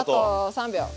３秒。